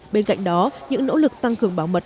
bên cạnh đó những nỗ lực tăng cường bảo mật